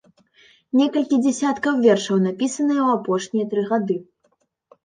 Некалькі дзясяткаў вершаў напісаныя ў апошнія тры гады.